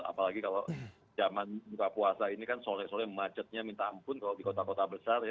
apalagi kalau zaman buka puasa ini kan sore sore macetnya minta ampun kalau di kota kota besar ya